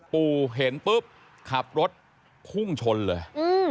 ปู่เห็นปุ๊บขับรถพุ่งชนเลย